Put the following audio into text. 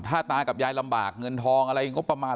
ถ้าตากับยายลำบากเงินทองอะไรงบประมาณ